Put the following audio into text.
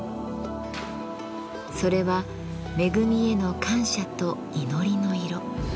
それは恵みへの感謝と祈りの色。